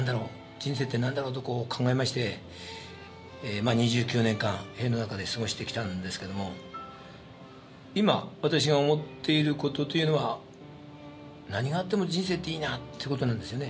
人生って何だろうと考えましてまあ２９年間塀の中で過ごしてきたんですけども今私が思っている事というのは何があっても人生っていいなって事なんですよね。